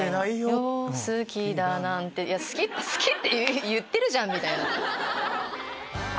好きだなんていや好きって言ってるじゃん！みたいな。